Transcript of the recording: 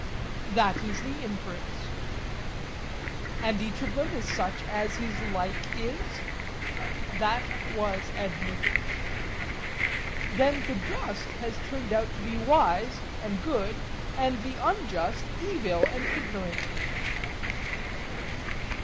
That is the inference. And each of them is such as his like is? That was admitted. Then the just has turned out to be wise and good and the unjust evil and ignorant.